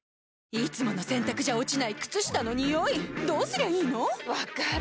いつもの洗たくじゃ落ちない靴下のニオイどうすりゃいいの⁉分かる。